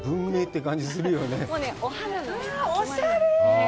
うわあ、おしゃれ！